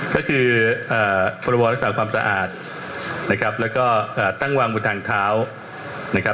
ก็คือพรรความสะอาดและก็ตั้งวางบนทางเท้า